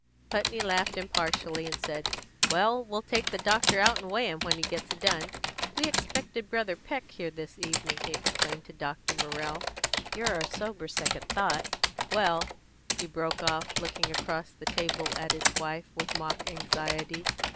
Putney laughed impartially, and said: "Well, we'll take the doctor out and weigh him when he gets done. We expected Brother Peck here this evening," he explained to Dr. Morrell. "You're our sober second thought Well," he broke off, looking across the table at his wife with mock anxiety.